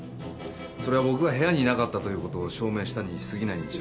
それは僕が部屋にいなかったということを証明したに過ぎないんじゃ？